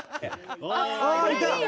ああいた！